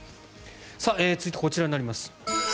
続いて、こちらになります。